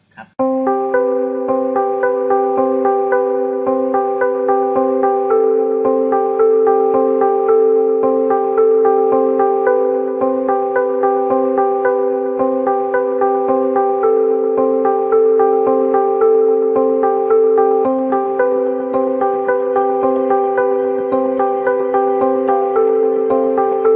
จริงจริงพี่แจ๊คเฮ้ยสวยนะเนี่ยเป็นเล่นไป